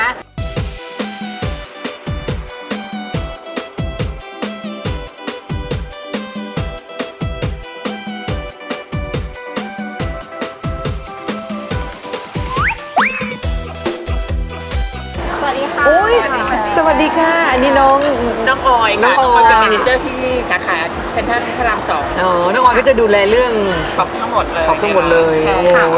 อ่าบูเบอรี่อ่ามะพร้าวบูเบอรี่มะพร้าวน้ำหอมบูเบอรี่